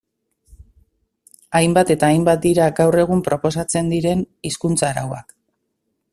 Hainbat eta hainbat dira gaur egun proposatzen diren hizkuntza-arauak.